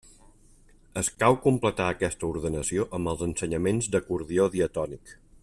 Escau completar aquesta ordenació amb els ensenyaments d'acordió diatònic.